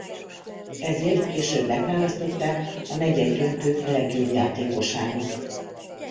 Ezért később megválasztották a negyeddöntők legjobb játékosának.